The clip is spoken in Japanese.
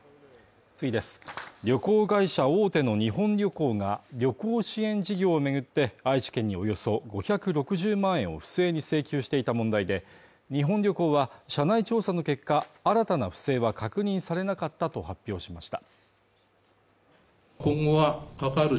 旅行会社大手の日本旅行が旅行支援事業を巡って、愛知県におよそ５６０万円を不正に請求していた問題で、日本旅行は、社内調査の結果、新たな不正は確認されなかったと発表しました。